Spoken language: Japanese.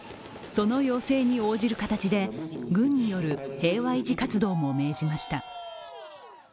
その要請に応じる形で、軍による平和維持活動も命じました。